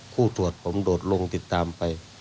ผู้ตรวจผมโดดลงติดตามไป